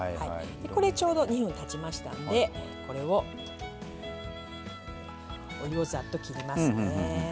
これちょうど２分たちましたのでこれをお湯をザッと切りますね。